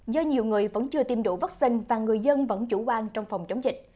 do nhiều người vẫn chưa tiêm đủ vaccine và người dân vẫn chủ quan trong phòng chống dịch